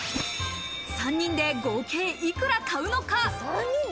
３人で合計いくら買うのか。